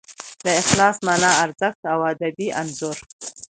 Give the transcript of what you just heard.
د اخلاص مانا، ارزښت او ادبي انځور